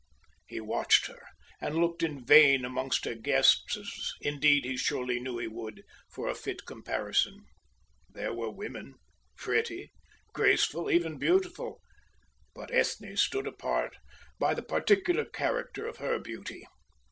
He watched her and looked in vain amongst her guests, as indeed he surely knew he would, for a fit comparison. There were women, pretty, graceful, even beautiful, but Ethne stood apart by the particular character of her beauty.